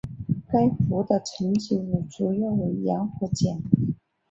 该湖的沉积物主要为盐和碱。